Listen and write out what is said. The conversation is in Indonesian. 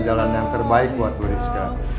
jalan yang terbaik buat bu rizka